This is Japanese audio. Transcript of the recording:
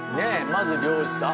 まず漁師さん。